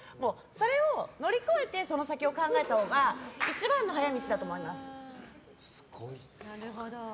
それを乗り越えてその先を考えたほうが一番の早道だと思います。